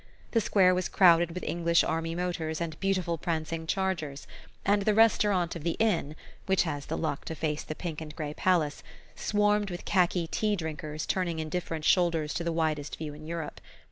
The square was crowded with English army motors and beautiful prancing chargers; and the restaurant of the inn (which has the luck to face the pink and grey palace) swarmed with khaki tea drinkers turning indifferent shoulders to the widest view in Europe.